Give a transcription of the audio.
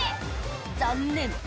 「残念」